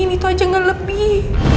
itu aja gak lebih